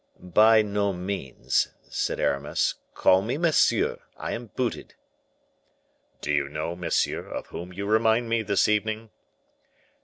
"By no means," said Aramis; "call me monsieur; I am booted." "Do you know, monsieur, of whom you remind me this evening?"